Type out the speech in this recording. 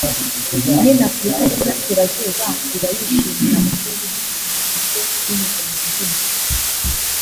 nyine Afurika y’Uburasirazuba iba yishimira umuco w’ibihugu biyigize binyuze mu mbyino